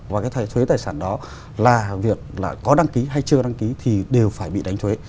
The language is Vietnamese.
và cái thuế tài sản đó là việc là có đăng ký hay chưa đăng ký thì đều phải bị đánh thuế